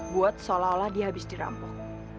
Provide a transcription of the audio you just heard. buat seolah olah dia habis dirampok